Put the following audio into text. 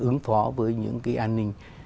ứng phó với những cái an ninh